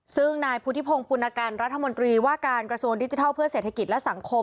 ซึ่งนายพุทธิพงศ์ปุณกันรัฐมนตรีว่าการกระทรวงดิจิทัลเพื่อเศรษฐกิจและสังคม